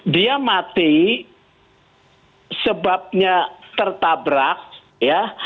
dia mati sebabnya tertabrak ya